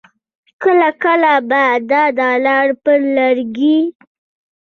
کله کله به د دالان پر لرګي.